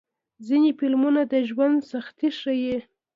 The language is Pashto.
ځینې فلمونه د ژوند سختۍ ښيي.